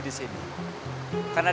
dan untuk memperoleh